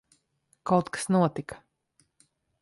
Kaut kas notika.